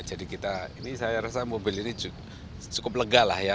jadi kita ini saya rasa mobil ini cukup lega lah ya